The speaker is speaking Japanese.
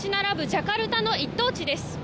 ジャカルタの一等地です。